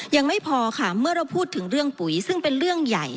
ยังไม่พอค่ะเมื่อเราพูดถึงเรื่องปุ๋ยซึ่งเป็นเรื่องใหญ่